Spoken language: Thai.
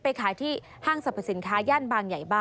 ไม่เห็นครับ